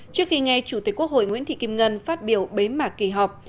trước khi nghe chủ tịch quốc hội nguyễn thị kim ngân phát biểu bế mạc kỳ họp